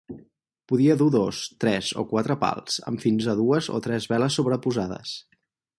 Podia dur dos, tres o quatre pals, amb fins a dues o tres veles sobreposades.